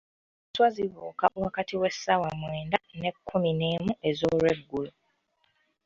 Enswa zibuuka wakati w'essaawa mwenda ne kkumu n'emu ez'olweggulo.